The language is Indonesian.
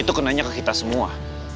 itu kenanya ke kita semua